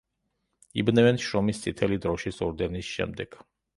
იბნევენ შრომის წითელი დროშის ორდენის შემდეგ.